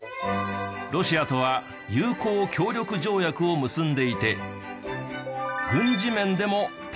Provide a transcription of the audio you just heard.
ロシアとは友好協力条約を結んでいて。